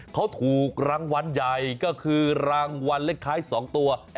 เขาถูกรางวัลใหญ่ก็คือรางวัลเลขท้าย๒ตัว